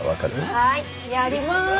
はいやります。